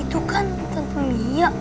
itu kan tante mia